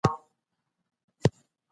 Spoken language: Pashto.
خوشحالي د خلکو په خدمت کې ده.